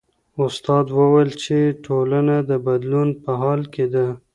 استاد وویل چې ټولنه د بدلون په حال کې ده.